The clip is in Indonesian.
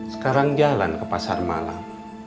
sekarang jalan ke pasar malam